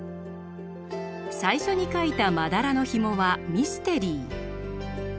最初に描いた「まだらのひも」はミステリー。